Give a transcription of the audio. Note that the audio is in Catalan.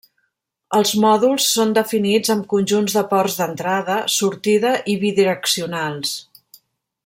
Els mòduls són definits amb conjunts de ports d'entrada, sortida i bidireccionals.